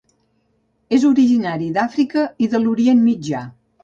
És originari d'Àfrica i de l'Orient Mitjà.